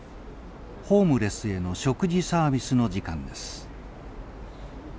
ホームレスへの食事サービスの時間です。